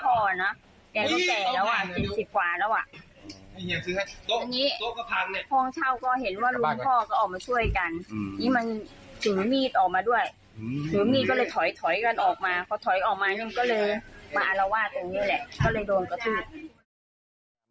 ก็เลยโดนกระทุก